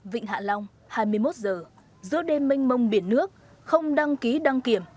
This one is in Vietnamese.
vịnh hạ long hai mươi một giờ giữa đêm mênh mông biển nước không đăng ký đăng kiểm